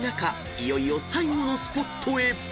いよいよ最後のスポットへ］